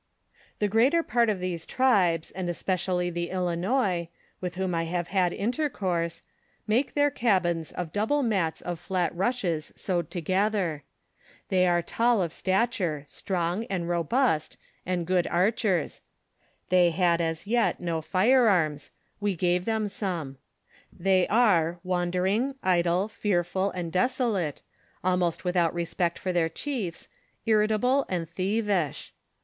The greater part of these tribes, and especially the Ilinois, * The Otontantns of Marquette's real map. DISCOVERIES IN THE MISSISSIPPI VALLET. 161 vrith whom I have had intercourse, make their cabins of double mats of flat rushes sewed together. They are tall of stature, strong, and robust, and good archers ; thev had as yet, no firearms ; we gave them some. They are, wander ing, idle, fearful, and desolate, almost without respect for their chiefs, irritable, and thievish.